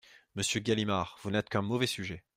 Monsieur Galimard, vous n’êtes qu’un mauvais sujet !